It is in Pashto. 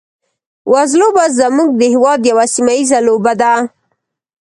وزلوبه زموږ د هېواد یوه سیمه ییزه لوبه ده.